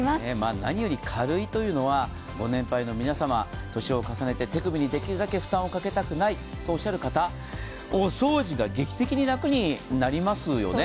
何より軽いというのはご年配の皆様、年を重ねて手首にできるだけ負担をかけたくない、そうおっしゃる方、お掃除が劇的に楽になりますよね。